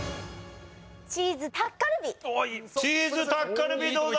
チーズタッカルビどうだ？